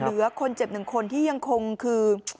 เหลือคนเจ็บ๑คนที่ยังคงคือ